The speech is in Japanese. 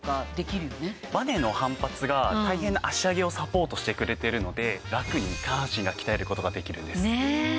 バネの反発が大変な脚上げをサポートしてくれているのでラクに下半身を鍛える事ができるんです。